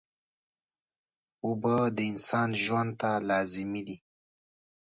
اوبه د انسان ژوند ته لازمي دي